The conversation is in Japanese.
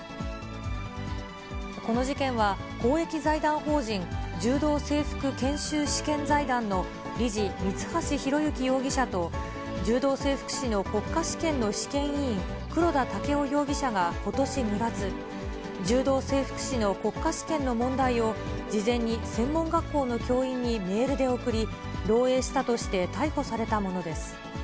この事件は、公益財団法人、柔道整復研修試験財団の理事、三橋裕之容疑者と、柔道整復師の国家試験の試験委員、黒田剛生容疑者が、ことし２月、柔道整復師の国家試験の問題を、事前に専門学校の教員にメールで送り、漏えいしたとして逮捕されたものです。